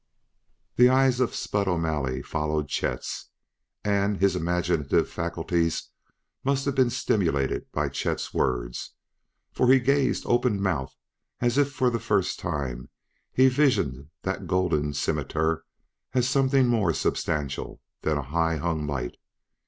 The eyes of Spud O'Malley followed Chet's, and his imaginative faculties must have been stimulated by Chet's words, for he gazed open mouthed, as if for the first time he visioned that golden scimitar as something more substantial than a high hung light.